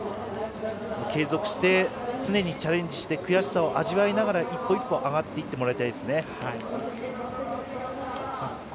継続して常にチャレンジして悔しさを味わいながら、１歩１歩上がっていってもらいたいですね。